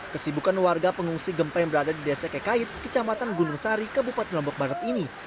kesibukan warga pengungsi gempa yang berada di desa kekait kecamatan gunung sari kabupaten lombok barat ini